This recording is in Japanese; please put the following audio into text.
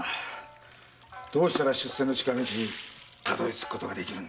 どうしたら出世の近道にたどりつくことができるんだ。